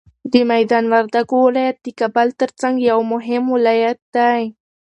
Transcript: د میدان وردګو ولایت د کابل تر څنګ یو مهم ولایت دی.